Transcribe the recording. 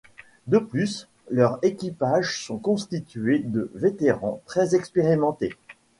De plus, leurs équipages sont constitués de vétérans très expérimentés.